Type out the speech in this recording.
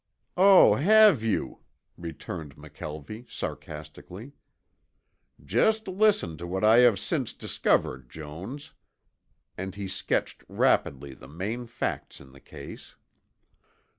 "Oh, have you," returned McKelvie, sarcastically. "Just listen to what I have since discovered, Jones," and he sketched rapidly the main facts in the case.